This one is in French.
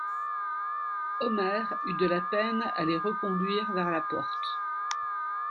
Omer eut de la peine à les reconduire vers la porte.